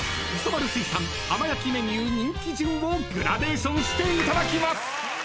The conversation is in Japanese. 丸水産浜焼きメニュー人気順をグラデーションしていただきます］